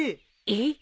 えっ！？